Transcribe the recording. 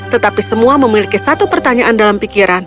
tetapi semua memiliki satu pertanyaan dalam pikiran